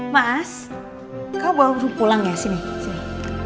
mas kau baru pulang ya sini sini